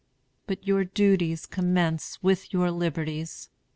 "But your duties commence with your liberties.